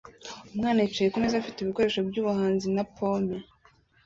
Umwana yicaye kumeza afite ibikoresho byubuhanzi na pome